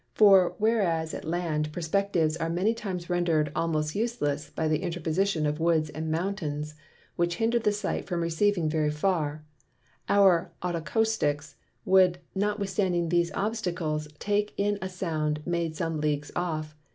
For whereas at Land Perspectives are many times render'd almost useless, by the interposition of Woods and Mountains, which hinder the Sight from reaching very far: Our Otacousticks would, notwithstanding these Obstacles, take in a Sound made some Leagues off.